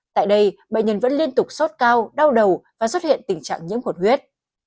tại đây bệnh nhân vẫn liên tục sốt cao đau đầu và xuất hiện tình trạng nhiễm khuẩn huyết